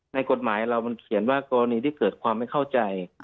ในกฎหมายเรามันเขียนว่ากรณีที่เกิดความไม่เข้าใจ